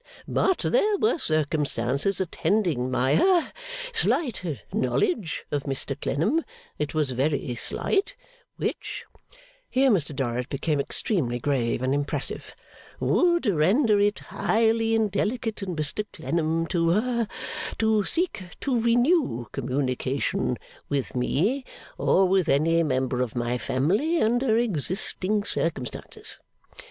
But there were circumstances attending my ha slight knowledge of Mr Clennam (it was very slight), which,' here Mr Dorrit became extremely grave and impressive, 'would render it highly indelicate in Mr Clennam to ha to seek to renew communication with me or with any member of my family under existing circumstances.